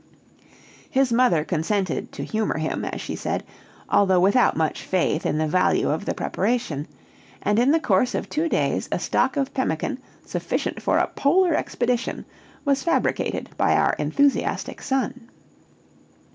His mother consented "to humor him," as she said, although without much faith in the value of the preparation; and in the course of two days a stock of pemmican, sufficient for a Polar expedition, was fabricated by our enthusiastic son.